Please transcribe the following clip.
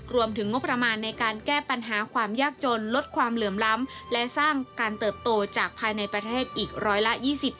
รวมถึงงบประมาณในการแก้ปัญหาความยากจนลดความเหลื่อมล้ำและสร้างการเติบโตจากภายในประเทศอีกร้อยละ๒๐